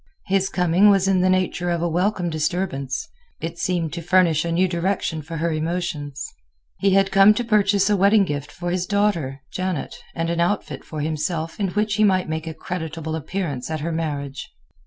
His coming was in the nature of a welcome disturbance; it seemed to furnish a new direction for her emotions. He had come to purchase a wedding gift for his daughter, Janet, and an outfit for himself in which he might make a creditable appearance at her marriage.